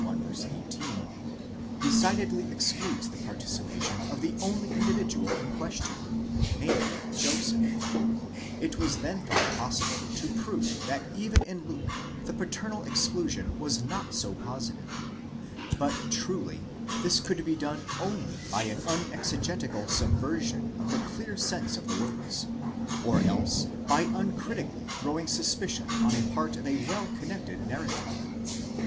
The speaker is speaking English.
18) decidedly excludes the participation of the only individual in question, namely Joseph ; it was then thought possible to prove that even in Luke the paternal exclusion was not so positive: but truly this could be done only by an unexegetical subversion of the clear sense of the words, or else by uncritically throwing suspicion on a part of a well connected narrative.